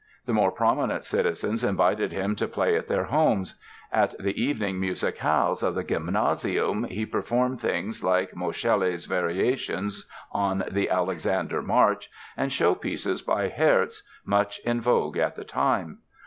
The more prominent citizens invited him to play at their homes. At the evening musicales of the "Gymnasium" he performed things like Moscheles' Variations on the Alexander March and showpieces by Herz, much in vogue at the time.